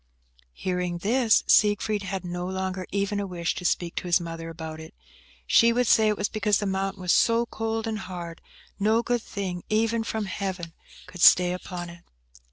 Hearing this, Siegfried had no longer even a wish to speak to his mother about it. She would say it was because the mountain was so cold and hard, no good thing, even from Heaven, could stay upon it!